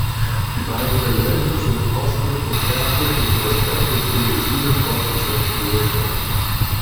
Die beiden Elemente sind Ausdruck von Ehrfurcht und Respekt und symbolisieren fortgesetzten Wohlstand.